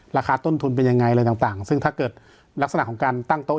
ราคาต้นทุนเป็นยังไงอะไรต่างซึ่งถ้าเกิดลักษณะของการตั้งโต๊